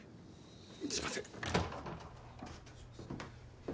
すいません。